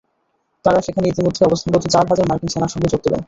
তাঁরা সেখানে ইতিমধ্যে অবস্থানরত চার হাজার মার্কিন সেনার সঙ্গে যোগ দেবেন।